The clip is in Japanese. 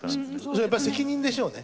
それやっぱり責任でしょうね。